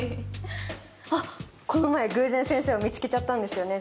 あっこの前偶然先生を見つけちゃったんですよね。